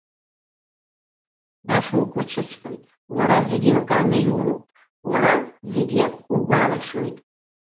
Баша угәы цәысҟьоит, уара зегьы еилкааны иумоуп, уара зегьы угәалашәоит.